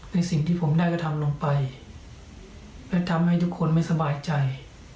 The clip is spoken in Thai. ในสิ่งที่ผมได้กระทำลงไปและทำให้ทุกคนไม่สบายใจ